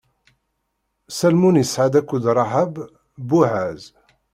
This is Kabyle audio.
Salmun isɛa-d akked Raḥab Buɛaz.